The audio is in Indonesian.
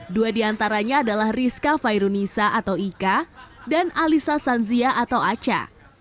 dua diantaranya adalah rizka fairunisa atau ika dan alisa sanzia atau aca